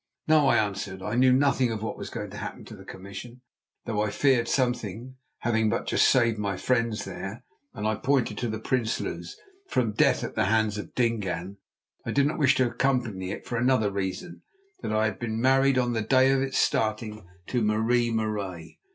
"No," I answered. "I knew nothing of what was going to happen to the commission, though I feared something, having but just saved my friends there"—and I pointed to the Prinsloos—"from death at the hands of Dingaan. I did not wish to accompany it for another reason: that I had been married on the day of its starting to Marie Marais.